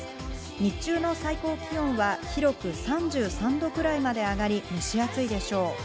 日中の最高気温は広く、３３度くらいまで上がり、蒸し暑いでしょう。